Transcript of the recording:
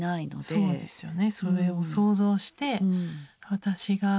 そうですね。